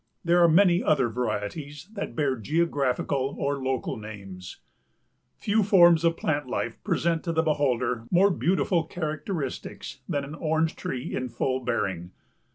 There are many other varieties that bear geographical or local names. Few forms of plant life present to the beholder more beautiful characteristics than an Orange tree in full bearing.